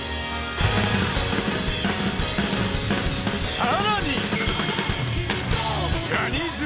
［さらに］